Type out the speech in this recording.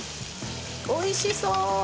おいしそう。